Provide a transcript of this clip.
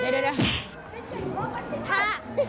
เดี๋ยว